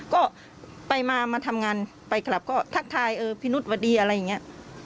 ก็ไปมามาทำงานไปกลับก็ทักทายเออพี่นุษย์วดีอะไรอย่างนี้